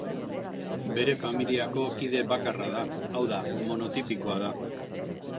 Bere familiako kide bakarra da, hau da, monotipikoa da.